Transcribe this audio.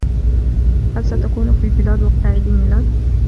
هل ستكون في البلاد وقت عيد الميلاد ؟